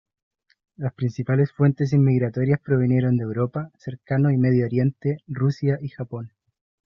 Las principales fuentes inmigratorias provinieron de Europa, Cercano y Medio Oriente, Rusia y Japón.